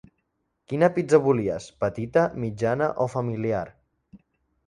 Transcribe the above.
Quina pizza volies, petita, mitjana o familiar?